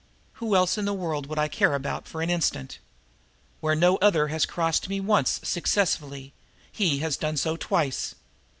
"Who else in the world would I care about for an instant? Where no other has ever crossed me once successfully, he has done so twice.